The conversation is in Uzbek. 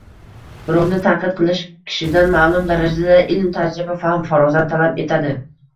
Birovni tanqid qilish kishidan ma’lum darajada ilm, tajriba, fahm-farosat talab etadi.